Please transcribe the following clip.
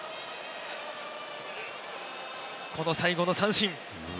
この最後の三振。